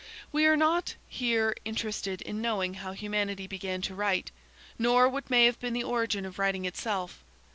We are not, here, interested in knowing how humanity began to write, nor what may have been the origin of writing itself.